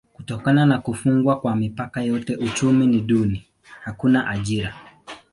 Kutokana na kufungwa kwa mipaka yote uchumi ni duni: hakuna ajira.